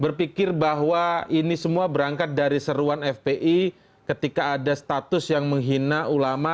berpikir bahwa ini semua berangkat dari seruan fpi ketika ada status yang menghina ulama